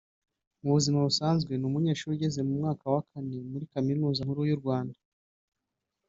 Mu buzima busanzwe ni umunyeshuri ugeze mu mwaka wa kane muri Kaminuza Nkuru y’u Rwanda